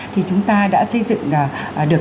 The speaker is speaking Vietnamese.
thì chúng ta đã xây dựng được